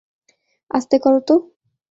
আস্তে কর তো।